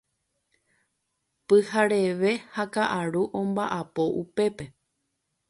Pyhareve ha ka'aru omba'apo upépe.